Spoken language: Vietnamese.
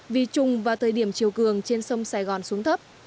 vì trùng vào thời điểm chiều cường trên sông sài gòn xuống thấp